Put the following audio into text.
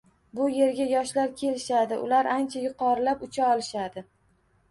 Bu yerga Yoshlar kelishadi — ular ancha yuqorilab ucha olishadi